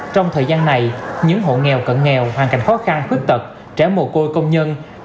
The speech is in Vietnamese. trong thời gian này những hộ nghèo cận nghèo hoàn cảnh khó khăn khuyết tật trẻ mồ côi công nhân